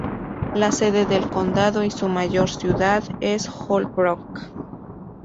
La sede del condado y su mayor ciudad es Holbrook.